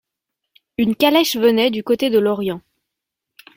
Une calèche venait du côté de Lorient.